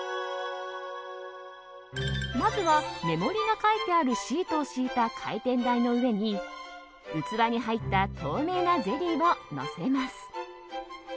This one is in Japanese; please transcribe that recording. まずは目盛りが書いてあるシートを敷いた回転台の上に器に入った透明なゼリーをのせます。